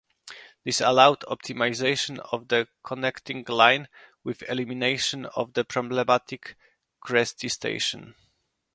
This allowed optimization of the Connecting Line with elimination of the problematic Kresty station.